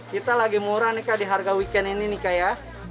kita lagi murah nih kak di harga weekend ini nih kak ya